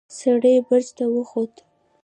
سړی برج ته وخوت.